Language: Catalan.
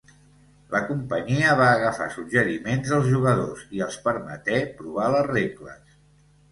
La companyia va agafar suggeriments dels jugadors i els permeté provar les regles.